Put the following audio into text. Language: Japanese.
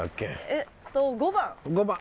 えっと５番！